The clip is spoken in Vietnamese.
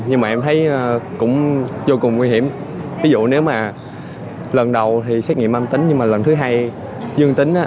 nhưng mà em thấy cũng vô cùng nguy hiểm ví dụ nếu mà lần đầu thì xét nghiệm âm tính nhưng mà lần thứ hai dương tính